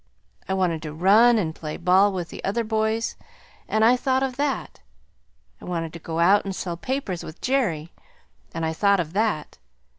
I wanted to run and play ball with the other boys; and I thought of that. I wanted to go out and sell papers with Jerry; and I thought of that.